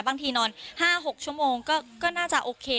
นอน๕๖ชั่วโมงก็น่าจะโอเค